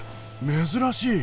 珍しい。